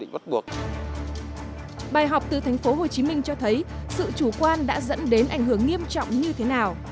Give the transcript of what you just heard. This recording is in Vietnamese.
bài học từ thành phố hồ chí minh cho thấy sự chủ quan đã dẫn đến ảnh hưởng nghiêm trọng như thế nào